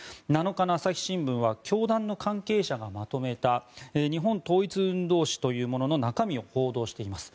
７日の朝日新聞は教団の関係者がまとめた「日本統一運動史」の中身を報道しています。